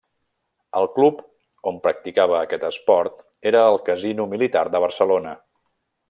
El club on practicava aquest esport era el Casino Militar de Barcelona.